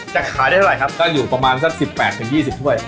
จะขายได้เท่าไรครับจ้าอยู่ประมาณสักสิบแปดถึงยี่สิบถ้วย